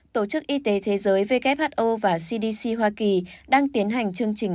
tổ chức y tế thế giới who và cdc hoa kỳ đang tiến hành chương trình